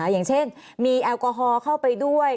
อย่างเช่นมีแอลกอฮอล์เข้าไปด้วย